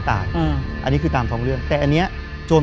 จะถึงเวลาเยี่ยม